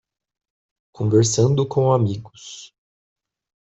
Conversando com amigos